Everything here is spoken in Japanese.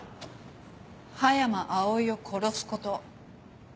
葉山葵を殺すこと。